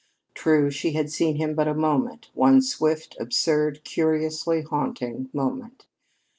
True, she had seen him but a moment one swift, absurd, curiously haunting moment.